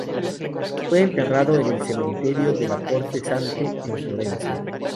Fue enterrado en el Cementerio de la Porte Sante, en Florencia.